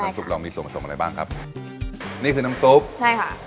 ซุปเรามีส่วนผสมอะไรบ้างครับนี่คือน้ำซุปใช่ค่ะ